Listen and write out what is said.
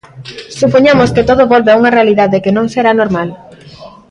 Supoñamos que todo volve a unha realidade que non será normal.